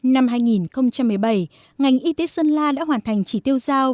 năm hai nghìn một mươi bảy ngành y tế sơn la đã hoàn thành chỉ tiêu giao